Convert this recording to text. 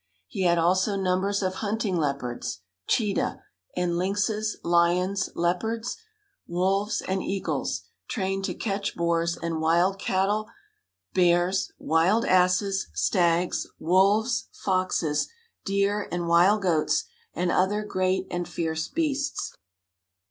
He had also numbers of hunting leopards (cheetah) and lynxes, lions, leopards, wolves and eagles, trained to catch boars and wild cattle, bears, wild asses, stags, wolves, foxes, deer and wild goats, and other great and fierce beasts.